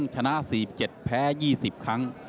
ฟอร์มขึ้นมาแล้วนะครับ